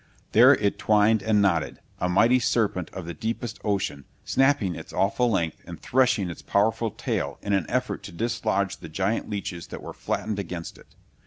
There it twined and knotted: a mighty serpent of the deepest ocean, snapping its awful length and threshing its powerful tail in an effort to dislodge the giant leeches that were flattened against it.